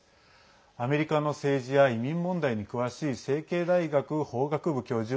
アメリカの政治や移民問題に詳しい成蹊大学法学部教授